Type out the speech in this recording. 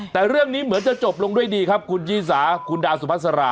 แต่เรื่องนี้เหมือนจะจบลงด้วยดีครับคุณยี่สาคุณดาวสุภาษา